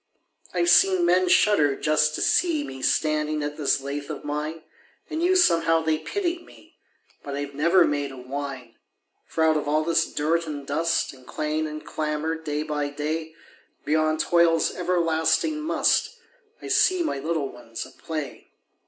I've seen men shudder just to see Me standing at this lathe of mine, And knew somehow they pitied me, But I have never made a whine; For out of all this dirt and dust And clang and clamor day by day, Beyond toil's everlasting "must," I see my little ones at play.